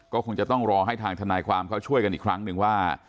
ก็คงจะต้องรอให้ทางทนายความเขาช่วยกันอีกครั้งหนึ่งว่า